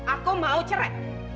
aku mau cerai